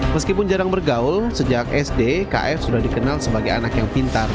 meskipun jarang bergaul sejak sd kf sudah dikenal sebagai anak yang pintar